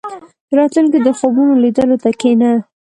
• د راتلونکي د خوبونو لیدلو ته کښېنه.